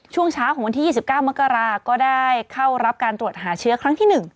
ช่วงเช้าของวันที่๒๙มกราก็ได้เข้ารับการตรวจหาเชื้อครั้งที่๑